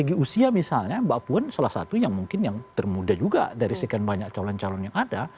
jadi usia misalnya mbak puan salah satu yang mungkin yang termuda juga dari sekian banyak calon calon yang ada